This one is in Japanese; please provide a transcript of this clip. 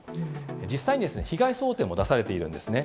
実際に被害想定も出されているんですね。